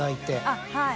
あっはい。